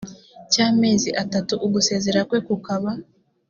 cy amezi atatu ugusezera kwe kukaba